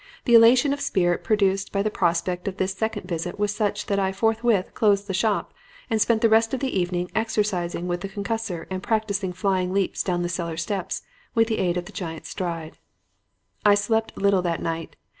The elation of spirit produced by the prospect of this second visit was such that I forthwith closed the shop and spent the rest of the evening exercising with the concussor and practicing flying leaps down the cellar steps with the aid of the giant stride. "I slept little that night.